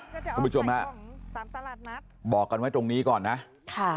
คุณผู้ชมฮะบอกกันไว้ตรงนี้ก่อนนะค่ะ